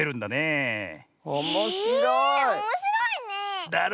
えおもしろいねえ！